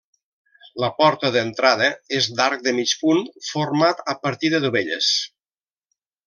La porta d'entrada és d'arc de mig punt, format a partir de dovelles.